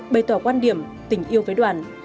bày tỏ quan điểm tình yêu với đoàn